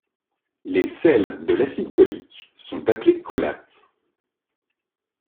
Les sels de l'acide cholique sont appelés cholates.